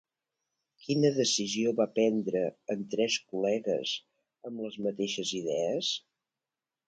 Quina decisió va prendre amb tres col·legues amb les mateixes idees?